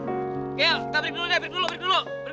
ayo kita break dulu deh break dulu break dulu